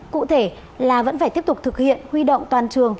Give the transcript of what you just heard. cụ thể là vẫn phải tiếp tục thực hiện huy động toàn trường